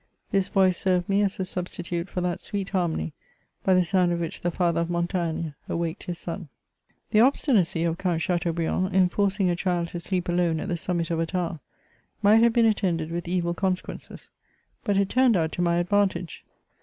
This voice served me as the substitute for that sweet harmony, by the sound of which the father of Montaigne awaked his son. The obstinacy of Count Chateaubriand, in forcing a child to sleep alone at the summit of a tower, might have been attended with evil consequences ; but it turned out to my advantage.